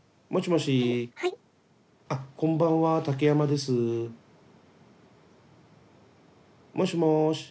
もしもし。